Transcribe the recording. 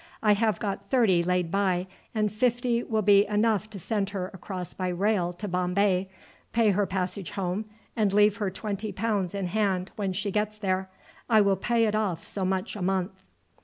I have got thirty laid by, and fifty will be enough to send her across by rail to Bombay, pay her passage home, and leave her twenty pounds in hand when she gets there. I will pay it off so much a month."